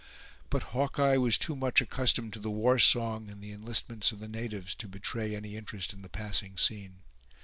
But Hawkeye was too much accustomed to the war song and the enlistments of the natives, to betray any interest in the passing scene.